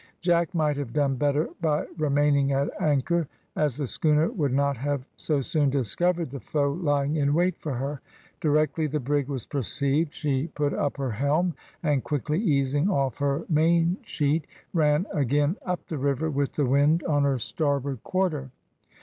Jack might have done better by remaining at anchor, as the schooner would not have so soon discovered the foe lying in wait for her. Directly the brig was perceived she put up her helm, and, quickly easing off her mainsheet, ran again up the river with the wind on her starboard quarter.